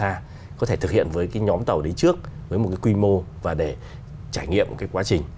và có thể thực hiện với cái nhóm tàu đấy trước với một cái quy mô và để trải nghiệm cái quá trình